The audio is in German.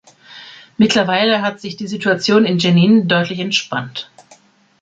Mittlerweile hat sich die Situation in Dschenin deutlich entspannt.